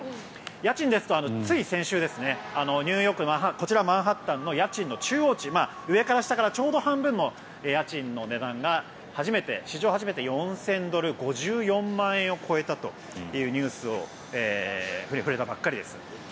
家賃ですとつい先週、ニューヨークのこちら、マンハッタンの家賃の中央値上から下からちょうど半分の家賃の値段が史上初めて４０００ドル５４万円を超えたというニュースに触れたばかりです。